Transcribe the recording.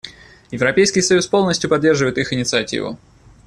Европейский союз полностью поддерживает их инициативу.